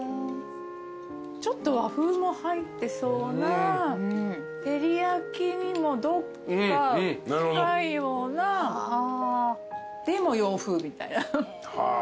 ちょっと和風も入ってそうな照り焼きにもどっか近いようなでも洋風みたいな。